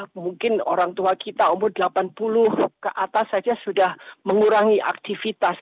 mungkin orang tua kita umur delapan puluh ke atas saja sudah mengurangi aktivitas